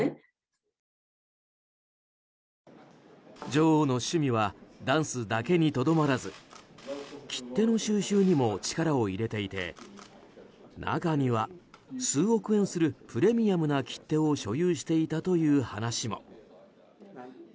女王の趣味はダンスだけにとどまらず切手の収集にも力を入れていて中には数億円するプレミアムな切手を所有していたという話も。